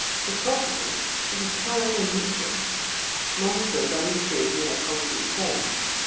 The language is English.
The Possible is a terrible matrix. Monsters are mysteries in their concrete form.